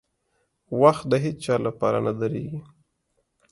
• وخت د هیڅ چا لپاره نه درېږي.